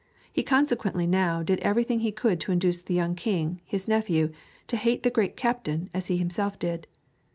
He consequently now did everything he could to induce the young king, his nephew, to hate the great captain as he himself did.